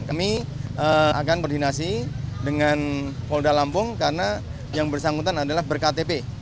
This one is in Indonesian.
kami akan koordinasi dengan polda lampung karena yang bersangkutan adalah berktp